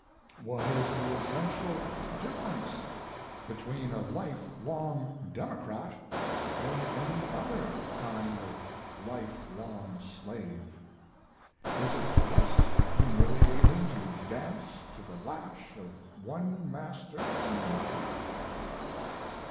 What is the essential difference between a lifelong democrat and any other kind of lifelong slave? Is it less humiliating to dance to the lash of one master than another?